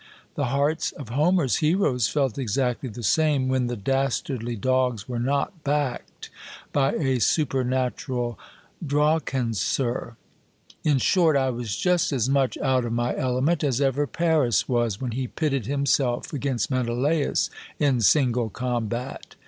The hearts of Homer's heroes felt exactly the same, when the dastardly dogs were not backed by a supernatural drawcansir ! In short, I was just as much out of my element as ever Paris was, when he pitted himself against Menelaus in single combat.